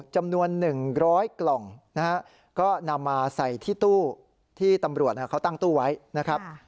จำนวน๑๐๐กล่องนะฮะก็นำมาใส่ที่ตู้ที่ตำรวจเขาตั้งตู้ไว้นะครับ